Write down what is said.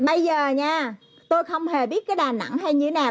bây giờ nha tôi không hề biết cái đà nẵng hay như nào